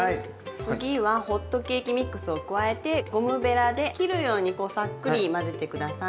次はホットケーキミックスを加えてゴムベラで切るようにこうさっくり混ぜて下さい。